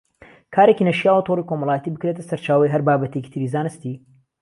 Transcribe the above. کارێکی نەشیاوە تۆڕی کۆمەڵایەتی بکرێتە سەرچاوەی هەر بابەتێکی تری زانستی